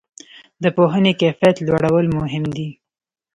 د پوهنې کیفیت لوړول مهم دي؟